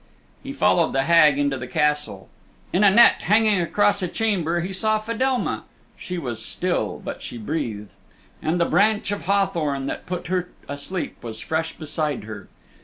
He followed the Hag into the Castle. In a net, hanging across a chamber, he saw Fedelma. She was still, but she breathed. And the branch of hawthorn that put her asleep was fresh beside her.